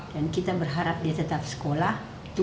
dan kita berharap dia tetap sekolah